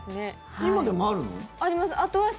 今でもあるの？